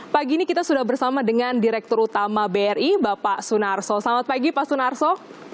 pagi ini kita sudah bersama dengan direktur utama bri bapak sunarso selamat pagi pak sunarso